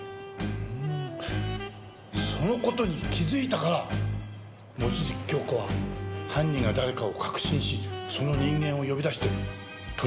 その事に気づいたから望月京子は犯人が誰かを確信しその人間を呼び出して取引を持ちかけた。